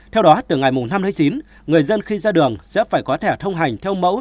theo đó từ ngày năm tháng chín người dân khi ra đường sẽ phải có thẻ thông hành theo mẫu